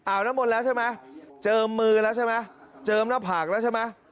น้ำมนต์แล้วใช่ไหมเจิมมือแล้วใช่ไหมเจิมหน้าผากแล้วใช่ไหม